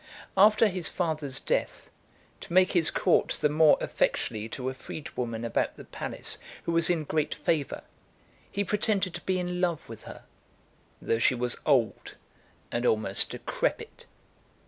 After his father's death, to make his court the more effectually to a freedwoman about the palace, who was in great favour, he pretended to be in love with her, though she was old, and almost decrepit.